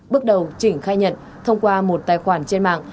bước đầu chỉnh khai nhận thông qua một tài khoản trên mạng